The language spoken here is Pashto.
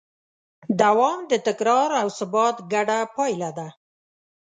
دوام د تکرار او ثبات ګډه پایله ده.